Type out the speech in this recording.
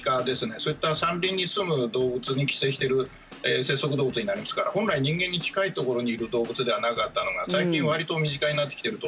そういった山林にすむ動物に寄生している節足動物になりますから本来、人間に近いところにいる動物ではなかったのが最近わりと身近になってきていると。